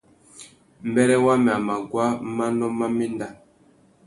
Mbêrê wamê a mà guá manô má méndá.